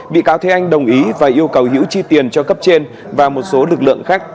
bị cáo thế anh đồng ý và yêu cầu hữu chi tiền cho cấp trên và một số lực lượng khác